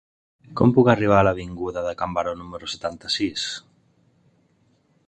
Com puc arribar a l'avinguda de Can Baró número setanta-sis?